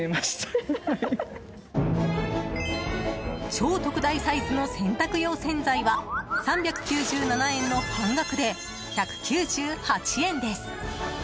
超特大サイズの洗濯用洗剤は３９７円の半額で１９８円です。